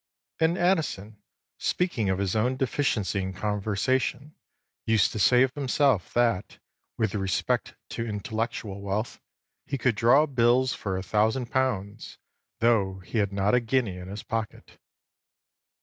And Addison, speaking of his own deficiency in conversation, used to say of himself that, with respect to intellectual wealth, 'he could draw bills for a thousand pounds though he had not a guinea in his pocket.